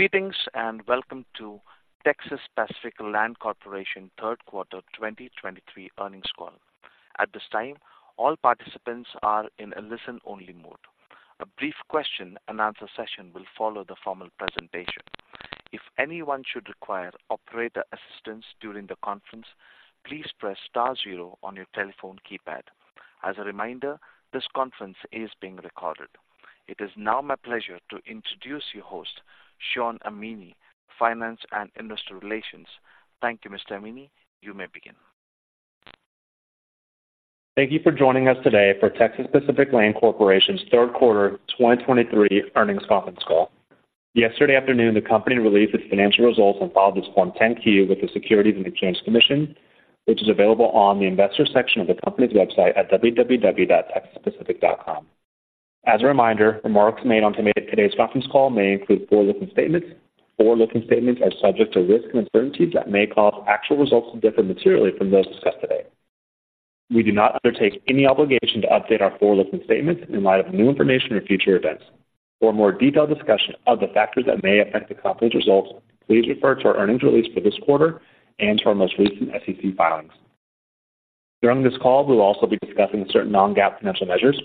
Greetings, and welcome to Texas Pacific Land Corporation Third Quarter 2023 Earnings Call. At this time, all participants are in a listen-only mode. A brief question-and-answer session will follow the formal presentation. If anyone should require operator assistance during the conference, please press star zero on your telephone keypad. As a reminder, this conference is being recorded. It is now my pleasure to introduce your host, Shawn Amini, Finance and Investor Relations. Thank you, Mr. Amini. You may begin. Thank you for joining us today for Texas Pacific Land Corporation's third quarter 2023 earnings conference call. Yesterday afternoon, the company released its financial results and filed its Form 10-Q with the Securities and Exchange Commission, which is available on the investors section of the company's website at www.texaspacific.com. As a reminder, remarks made on today's conference call may include forward-looking statements. Forward-looking statements are subject to risks and uncertainties that may cause actual results to differ materially from those discussed today. We do not undertake any obligation to update our forward-looking statements in light of new information or future events. For a more detailed discussion of the factors that may affect the company's results, please refer to our earnings release for this quarter and to our most recent SEC filings. During this call, we'll also be discussing certain non-GAAP financial measures.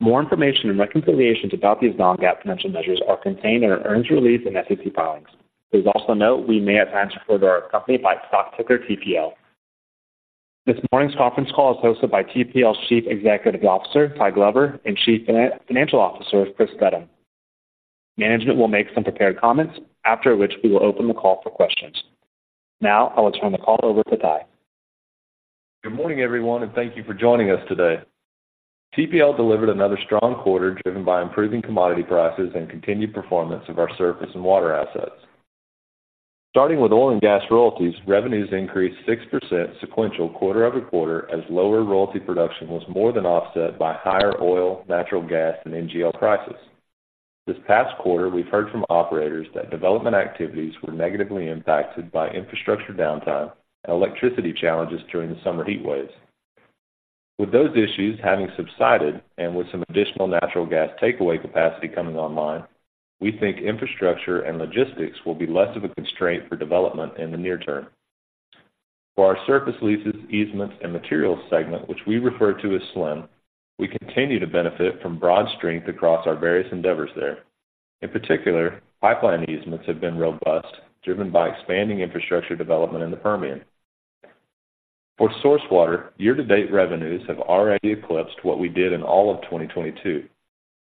More information and reconciliations about these non-GAAP financial measures are contained in our earnings release and SEC filings. Please also note we may at times refer to our company by stock ticker TPL. This morning's conference call is hosted by TPL's Chief Executive Officer, Ty Glover, and Chief Financial Officer, Chris Steddum. Management will make some prepared comments, after which we will open the call for questions. Now, I will turn the call over to Ty. Good morning, everyone, and thank you for joining us today. TPL delivered another strong quarter, driven by improving commodity prices and continued performance of our surface and water assets. Starting with oil and gas royalties, revenues increased 6% quarter-over-quarter, as lower royalty production was more than offset by higher oil, natural gas, and NGL prices. This past quarter, we've heard from operators that development activities were negatively impacted by infrastructure downtime and electricity challenges during the summer heat waves. With those issues having subsided, and with some additional natural gas takeaway capacity coming online, we think infrastructure and logistics will be less of a constraint for development in the near term. For our surface leases, easements, and materials segment, which we refer to as SLEM, we continue to benefit from broad strength across our various endeavors there. In particular, pipeline easements have been robust, driven by expanding infrastructure development in the Permian. For source water, year-to-date revenues have already eclipsed what we did in all of 2022.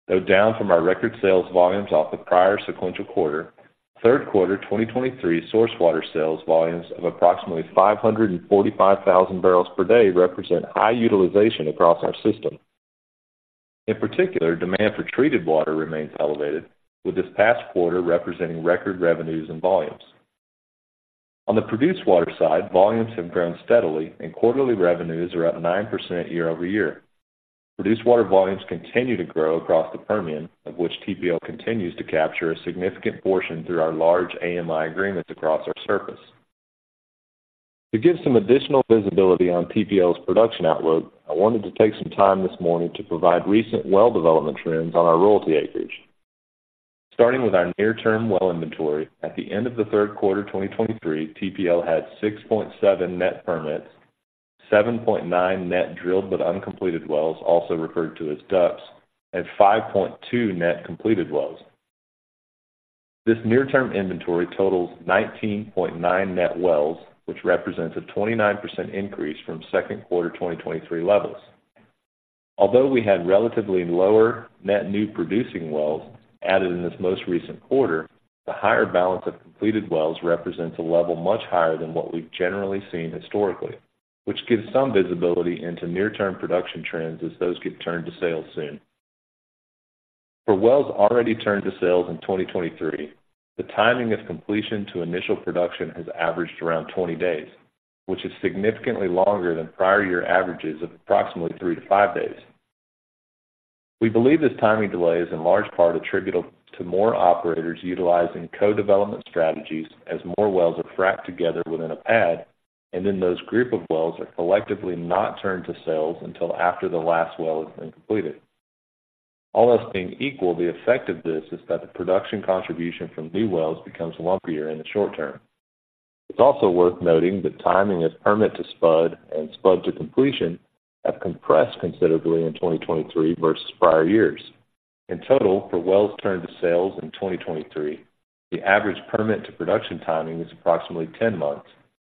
Though down from our record sales volumes off the prior sequential quarter, third quarter 2023 source water sales volumes of approximately 545,000 barrels per day represent high utilization across our system. In particular, demand for treated water remains elevated, with this past quarter representing record revenues and volumes. On the produced water side, volumes have grown steadily and quarterly revenues are up 9% year-over-year. Produced water volumes continue to grow across the Permian, of which TPL continues to capture a significant portion through our large AMI agreements across our surface. To give some additional visibility on TPL's production outlook, I wanted to take some time this morning to provide recent well development trends on our royalty acreage. Starting with our near-term well inventory, at the end of the third quarter 2023, TPL had 6.7 net permits, 7.9 net drilled but uncompleted wells, also referred to as DUCs, and 5.2 net completed wells. This near-term inventory totals 19.9 net wells, which represents a 29% increase from second quarter 2023 levels. Although we had relatively lower net new producing wells added in this most recent quarter, the higher balance of completed wells represents a level much higher than what we've generally seen historically, which gives some visibility into near-term production trends as those get turned to sales soon. For wells already turned to sales in 2023, the timing of completion to initial production has averaged around 20 days, which is significantly longer than prior year averages of approximately three to five days. We believe this timing delay is in large part attributable to more operators utilizing co-development strategies, as more wells are fracked together within a pad, and then those group of wells are collectively not turned to sales until after the last well has been completed. All else being equal, the effect of this is that the production contribution from new wells becomes lumpier in the short term. It's also worth noting that timing of permit to spud and spud to completion have compressed considerably in 2023 versus prior years. In total, for wells turned to sales in 2023, the average permit to production timing was approximately 10 months,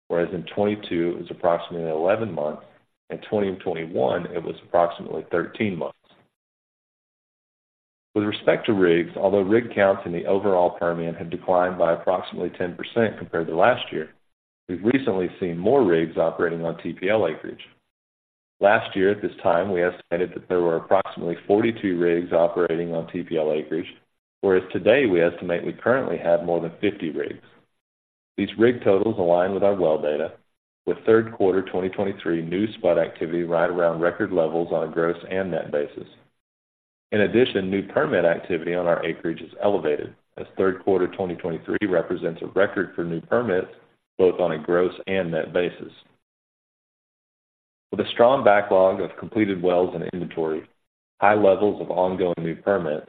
whereas in 2022, it was approximately 11 months, in 2021, it was approximately 13 months. With respect to rigs, although rig counts in the overall Permian have declined by approximately 10% compared to last year, we've recently seen more rigs operating on TPL acreage. Last year at this time, we estimated that there were approximately 42 rigs operating on TPL acreage, whereas today we estimate we currently have more than 50 rigs. These rig totals align with our well data, with third quarter 2023 new spud activity right around record levels on a gross and net basis. In addition, new permit activity on our acreage is elevated, as third quarter 2023 represents a record for new permits, both on a gross and net basis.... With a strong backlog of completed wells and inventory, high levels of ongoing new permits,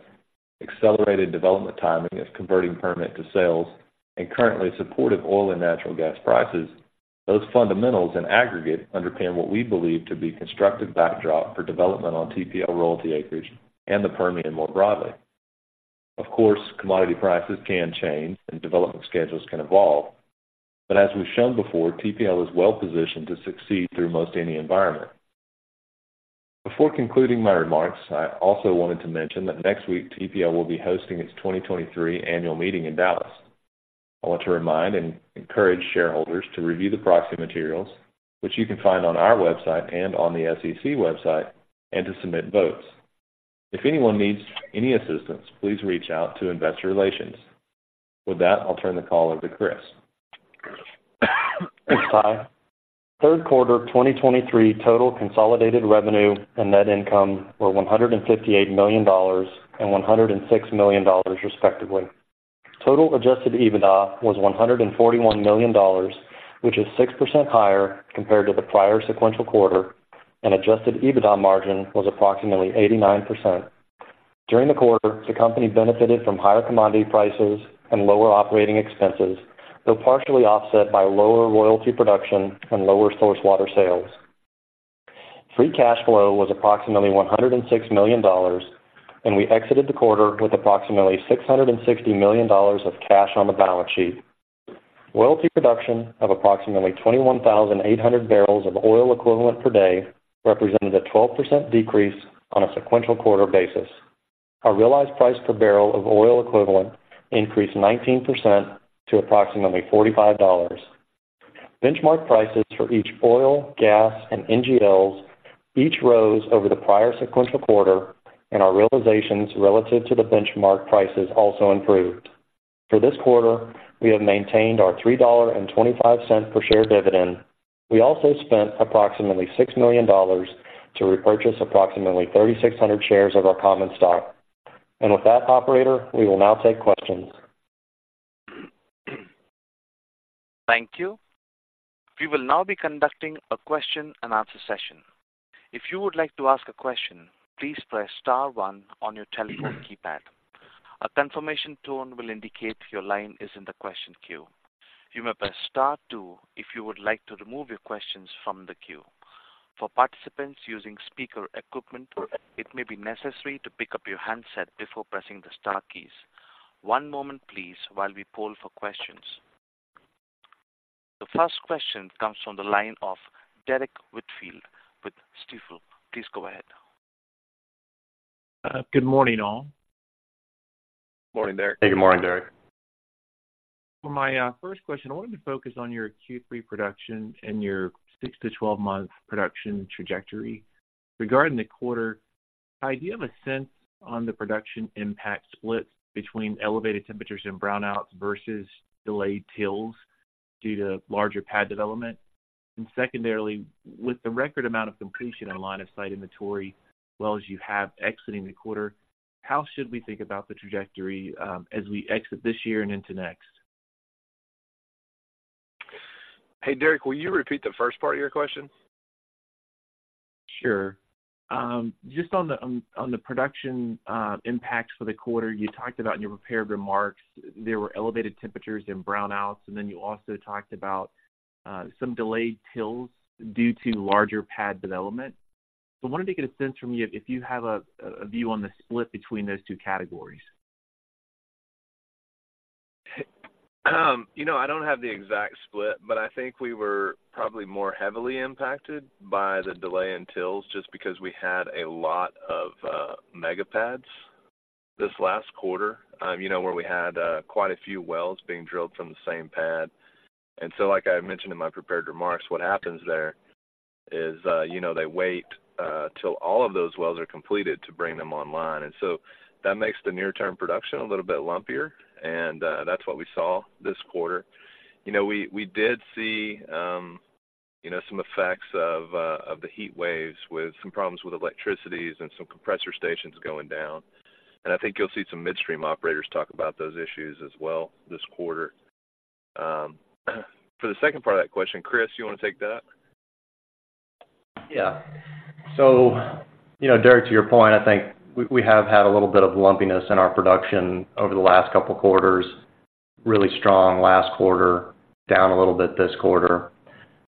accelerated development timing is converting permit to sales, and currently supportive oil and natural gas prices. Those fundamentals in aggregate underpin what we believe to be constructive backdrop for development on TPL royalty acreage and the Permian more broadly. Of course, commodity prices can change and development schedules can evolve, but as we've shown before, TPL is well positioned to succeed through most any environment. Before concluding my remarks, I also wanted to mention that next week, TPL will be hosting its 2023 annual meeting in Dallas. I want to remind and encourage shareholders to review the proxy materials, which you can find on our website and on the SEC website, and to submit votes. If anyone needs any assistance, please reach out to investor relations. With that, I'll turn the call over to Chris. Thanks, Ty. Third quarter 2023 total consolidated revenue and net income were $158 million and $106 million, respectively. Total Adjusted EBITDA was $141 million, which is 6% higher compared to the prior sequential quarter, and adjusted EBITDA margin was approximately 89%. During the quarter, the company benefited from higher commodity prices and lower operating expenses, though partially offset by lower royalty production and lower source water sales. Free cash flow was approximately $106 million, and we exited the quarter with approximately $660 million of cash on the balance sheet. Royalty production of approximately 21,800 barrels of oil equivalent per day represented a 12% decrease on a sequential quarter basis. Our realized price per barrel of oil equivalent increased 19% to approximately $45. Benchmark prices for each oil, gas, and NGLs each rose over the prior sequential quarter, and our realizations relative to the benchmark prices also improved. For this quarter, we have maintained our $3.25 per share dividend. We also spent approximately $6 million to repurchase approximately 3,600 shares of our common stock. And with that operator, we will now take questions. Thank you. We will now be conducting a question-and-answer session. If you would like to ask a question, please press star one on your telephone keypad. A confirmation tone will indicate your line is in the question queue. You may press star two if you would like to remove your questions from the queue. For participants using speaker equipment, it may be necessary to pick up your handset before pressing the star keys. One moment, please, while we poll for questions. The first question comes from the line of Derrick Whitfield with Stifel. Please go ahead. Good morning, all. Morning, Derrick. Hey, good morning, Derrick. For my first question, I wanted to focus on your Q3 production and your six-12 month production trajectory. Regarding the quarter, do you have a sense on the production impact split between elevated temperatures and brownouts versus delayed TILs due to larger pad development? And secondarily, with the record amount of completion and line of sight inventory, well, as you have exiting the quarter, how should we think about the trajectory, as we exit this year and into next? Hey, Derrick, will you repeat the first part of your question? Sure. Just on the production impacts for the quarter, you talked about in your prepared remarks there were elevated temperatures and brownouts, and then you also talked about some delayed TILs due to larger pad development. So I wanted to get a sense from you if you have a view on the split between those two categories. You know, I don't have the exact split, but I think we were probably more heavily impacted by the delay in TILs just because we had a lot of mega pads this last quarter, you know, where we had quite a few wells being drilled from the same pad. And so, like I mentioned in my prepared remarks, what happens there is, you know, they wait till all of those wells are completed to bring them online. And so that makes the near-term production a little bit lumpier, and that's what we saw this quarter. You know, we did see, you know, some effects of the heat waves with some problems with electricity and some compressor stations going down. And I think you'll see some midstream operators talk about those issues as well this quarter. For the second part of that question, Chris, you want to take that? Yeah. So, you know, Derrick, to your point, I think we have had a little bit of lumpiness in our production over the last couple of quarters. Really strong last quarter, down a little bit this quarter.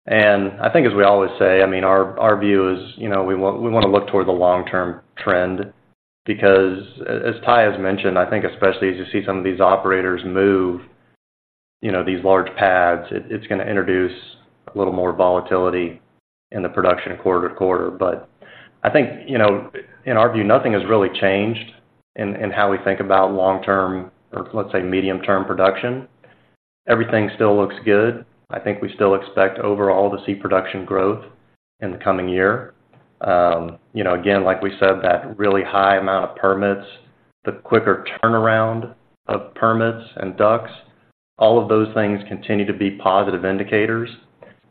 And I think as we always say, I mean, our view is, you know, we want to look toward the long-term trend, because as Ty has mentioned, I think especially as you see some of these operators move, you know, these large pads, it's going to introduce a little more volatility in the production quarter to quarter. But I think, you know, in our view, nothing has really changed in how we think about long-term, or let's say, medium-term production. Everything still looks good. I think we still expect overall to see production growth in the coming year. You know, again, like we said, that really high amount of permits, the quicker turnaround of permits and DUCs, all of those things continue to be positive indicators.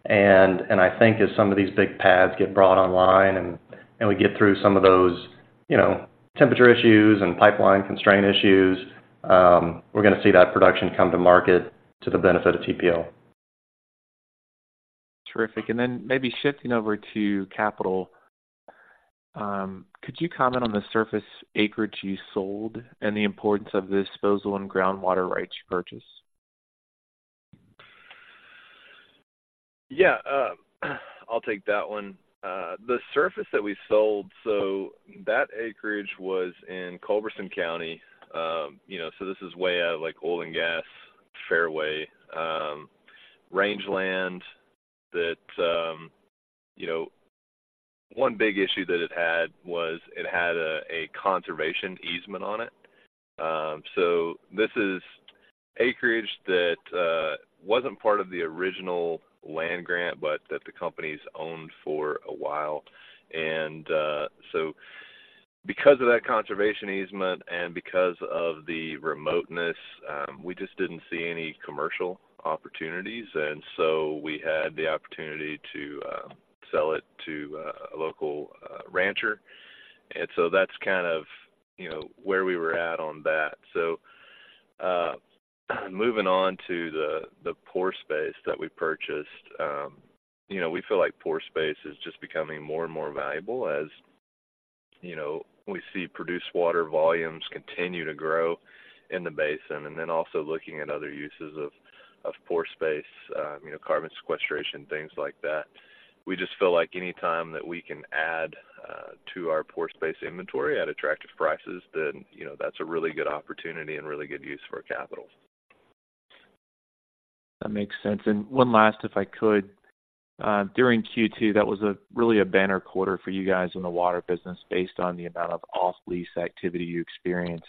And I think as some of these big pads get brought online and- ... and we get through some of those, you know, temperature issues and pipeline constraint issues, we're gonna see that production come to market to the benefit of TPL. Terrific. And then maybe shifting over to capital, could you comment on the surface acreage you sold and the importance of the disposal and groundwater rights you purchased? Yeah, I'll take that one. The surface that we sold, so that acreage was in Culberson County. You know, so this is way out of, like, oil and gas fairway, rangeland that, you know. One big issue that it had was it had a conservation easement on it. So this is acreage that wasn't part of the original land grant, but that the company's owned for a while. And so because of that conservation easement and because of the remoteness, we just didn't see any commercial opportunities, and so we had the opportunity to sell it to a local rancher. And so that's kind of, you know, where we were at on that. So, moving on to the pore space that we purchased. You know, we feel like pore space is just becoming more and more valuable as, you know, we see produced water volumes continue to grow in the basin, and then also looking at other uses of, of pore space, you know, carbon sequestration, things like that. We just feel like any time that we can add to our pore space inventory at attractive prices, then, you know, that's a really good opportunity and really good use for our capital. That makes sense. And one last, if I could, during Q2, that was really a banner quarter for you guys in the water business based on the amount of off-lease activity you experienced.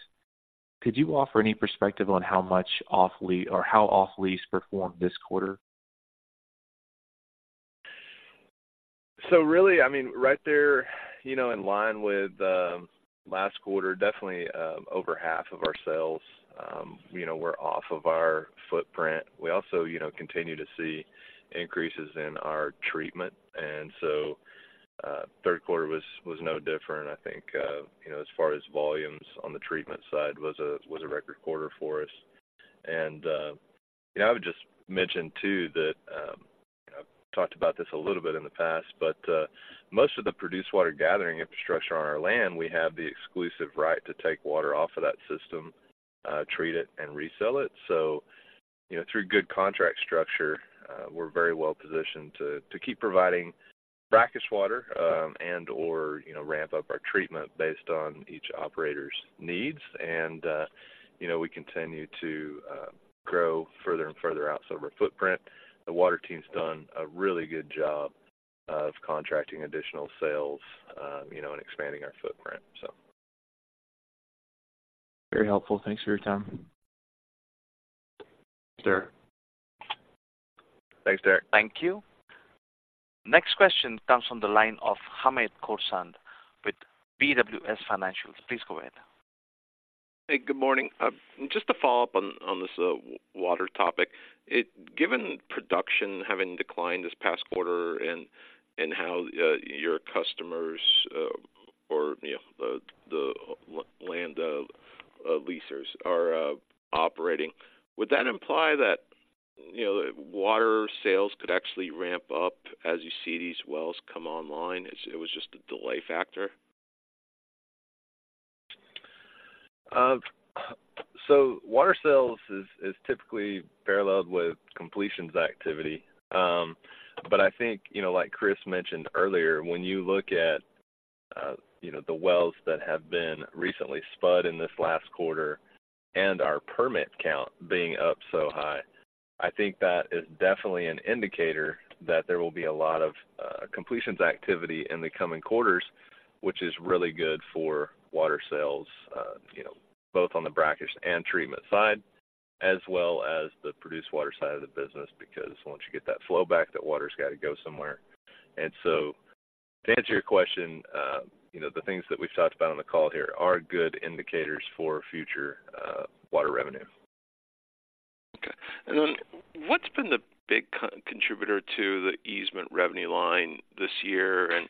Could you offer any perspective on how much off-lease or how off-lease performed this quarter? So really, I mean, right there, you know, in line with last quarter, definitely over half of our sales, you know, were off of our footprint. We also, you know, continue to see increases in our treatment, and so third quarter was no different. I think, you know, as far as volumes on the treatment side was a record quarter for us. And you know, I would just mention too that I've talked about this a little bit in the past, but most of the produced water gathering infrastructure on our land, we have the exclusive right to take water off of that system, treat it and resell it. So, you know, through good contract structure, we're very well positioned to keep providing brackish water, and/or, you know, ramp up our treatment based on each operator's needs. And, you know, we continue to grow further and further out over our footprint. The water team's done a really good job of contracting additional sales, you know, and expanding our footprint, so. Very helpful. Thanks for your time. Thanks, Derek. Thanks, Derrick. Thank you. Next question comes from the line of Hamed Khorsand with BWS Financial. Please go ahead. Hey, good morning. Just to follow up on this water topic, given production having declined this past quarter and how your customers, or, you know, the land leasers are operating, would that imply that, you know, water sales could actually ramp up as you see these wells come online? It was just a delay factor? So water sales is, is typically paralleled with completions activity. But I think, you know, like Chris mentioned earlier, when you look at, you know, the wells that have been recently spud in this last quarter and our permit count being up so high, I think that is definitely an indicator that there will be a lot of completions activity in the coming quarters, which is really good for water sales, you know, both on the brackish and treatment side, as well as the produced water side of the business, because once you get that flowback, that water's got to go somewhere. And so to answer your question, you know, the things that we've talked about on the call here are good indicators for future water revenue. Okay. Then what's been the big co-contributor to the easement revenue line this year, and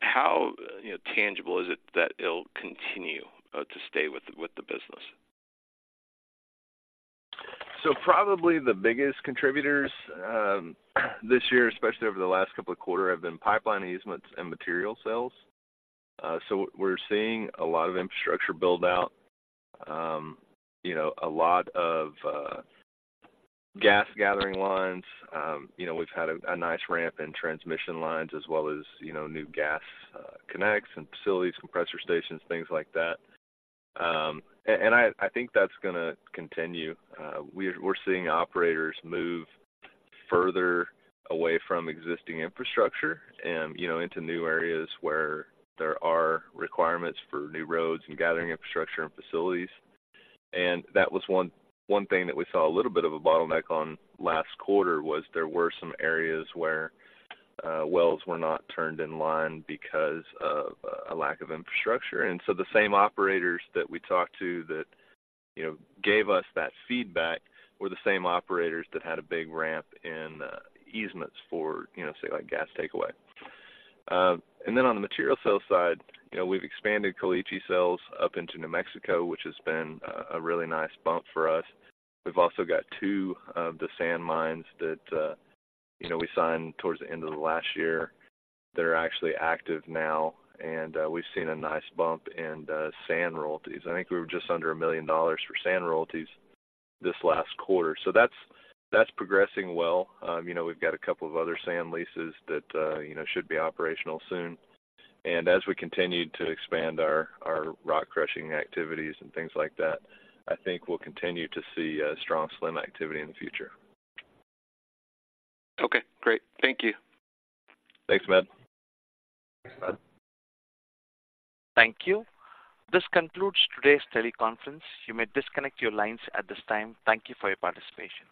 how, you know, tangible is it that it'll continue to stay with the business? So probably the biggest contributors, this year, especially over the last couple of quarter, have been pipeline easements and material sales. So we're seeing a lot of infrastructure buildout, you know, a lot of, gas gathering lines. You know, we've had a nice ramp in transmission lines as well as, you know, new gas, connects and facilities, compressor stations, things like that. And I think that's gonna continue. We're seeing operators move further away from existing infrastructure and, you know, into new areas where there are requirements for new roads and gathering infrastructure and facilities. And that was one thing that we saw a little bit of a bottleneck on last quarter was there were some areas where, wells were not turned in line because of a lack of infrastructure. And so the same operators that we talked to that, you know, gave us that feedback, were the same operators that had a big ramp in easements for, you know, say, like gas takeaway. And then on the material sales side, you know, we've expanded Caliche sales up into New Mexico, which has been a really nice bump for us. We've also got two of the sand mines that, you know, we signed towards the end of the last year that are actually active now, and we've seen a nice bump in sand royalties. I think we were just under $1 million for sand royalties this last quarter. That's progressing well. You know, we've got a couple of other sand leases that, you know, should be operational soon. As we continue to expand our rock crushing activities and things like that, I think we'll continue to see strong SLEM activity in the future. Okay, great. Thank you. Thanks, Hamed. Thank you. This concludes today's teleconference. You may disconnect your lines at this time. Thank you for your participation.